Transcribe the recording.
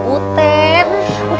buat ayu sama butet